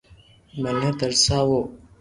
مني ترساوُ